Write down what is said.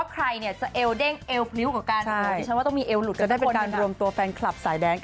เพลงนี้สนุกแน่นอนครับ